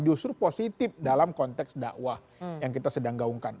justru positif dalam konteks dakwah yang kita sedang gaungkan